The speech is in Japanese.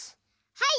はい！